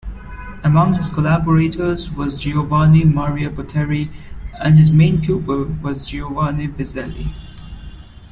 Among his collaborators was Giovanni Maria Butteri and his main pupil was Giovanni Bizzelli.